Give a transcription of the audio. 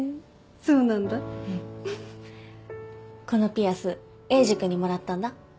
このピアスエイジ君にもらったんだ